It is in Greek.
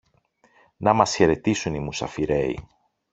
να μας χαιρετήσουν οι μουσαφιρέοι